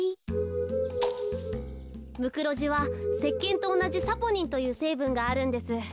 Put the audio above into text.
ムクロジはせっけんとおなじサポニンというせいぶんがあるんです。